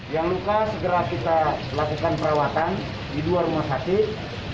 yang luka segera kita lakukan perawatan di dua rumah sakit